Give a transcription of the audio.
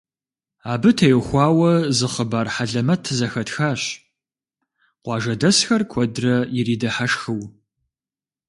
Абы теухуауэ зы хъыбар хьэлэмэт зэхэтхащ, къуажэдэсхэр куэдрэ иридыхьэшхыу.